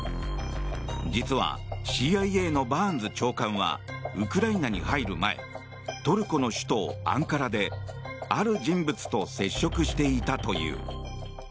実はＣＩＡのバーンズ長官はウクライナに入る前トルコの首都アンカラである人物と接触していたという。